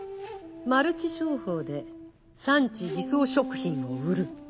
マルチ商法で産地偽装食品を売る。